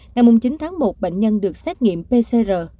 ngày chín tháng một bệnh nhân được xét nghiệm pcr